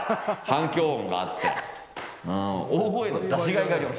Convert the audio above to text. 反響音があって。